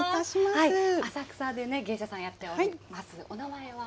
浅草で芸者さんやっておられます、お名前は。